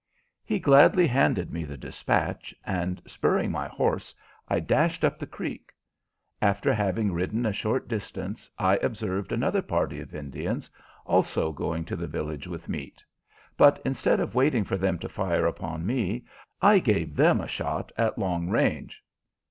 He gladly handed me the dispatch, and spurring my horse I dashed up the creek. After having ridden a short distance, I observed another party of Indians, also going to the village with meat; but instead of waiting for them to fire upon me, I gave them a shot at long range.